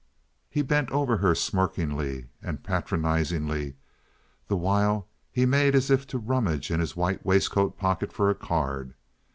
He bent over her smirkingly and patronizingly the while he made as if to rummage in his white waistcoat pocket for a card.